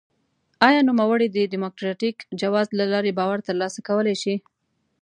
آیا نوموړی د ډیموکراټیک جواز له لارې باور ترلاسه کولای شي؟